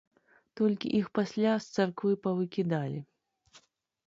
Толькі іх пасля з царквы павыкідалі.